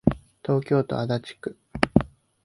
東京都足立区